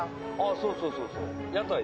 そうそうそうそう。